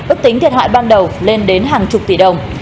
ước tính thiệt hại ban đầu lên đến hàng chục tỷ đồng